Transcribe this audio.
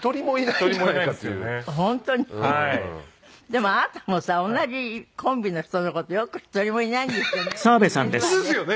でもあなたもさ同じコンビの人の事よく「１人もいないんですよね」